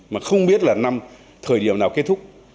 mà không biết là năm thời điểm nào kết thúc